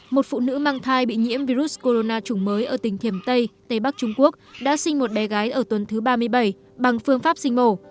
một phụ nữ mang thai bị nhiễm virus corona chủng mới ở tỉnh thiềm tây tây bắc trung quốc đã sinh một bé gái ở tuần thứ ba mươi bảy bằng phương pháp sinh mổ